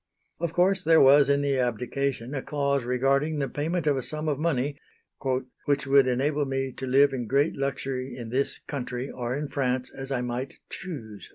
Of course there was in the abdication a clause regarding the payment of a sum of money "which would enable me to live in great luxury in this country or in France as I might choose."